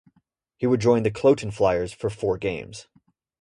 He would join the Kloten Flyers for four games.